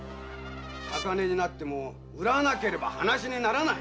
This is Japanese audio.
高値になっても売らなければ話にならない。